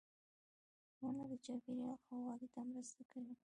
• ونه د چاپېریال ښه والي ته مرسته کوي.